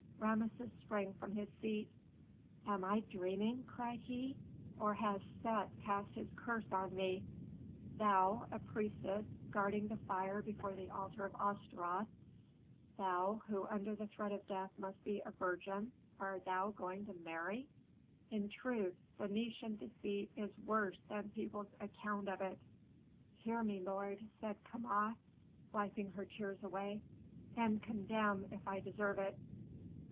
Rameses sprang from his seat. "Am I dreaming," cried he, "or has Set cast his curse on me? Thou, a priestess, guarding the fire before the altar of Astaroth, thou, who under the threat of death must be a virgin, art thou going to marry? In truth, Phœnician deceit is worse than people's account of it." "Hear me, lord," said Kama, wiping her tears away, "and condemn if I deserve it.